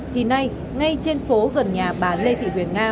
thì nay ngay trên phố gần nhà bà lê thị huyền nga